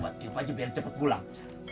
buat tiup aja biar cepet pulang